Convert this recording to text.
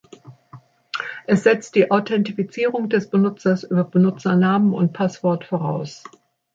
Es setzt die Authentifizierung des Benutzers über Benutzernamen und Passwort voraus.